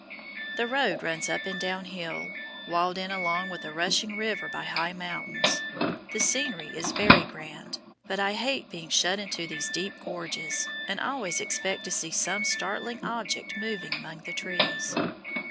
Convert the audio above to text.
The road runs up and down hill, walled in along with a rushing river by high mountains. The scenery is very grand, but I hate being shut into these deep gorges, and always expect to see some startling object moving among the trees.